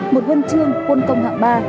một huân trương quân công hạng ba